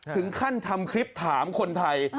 ถึงขั้นทำคลิปถามคนไทย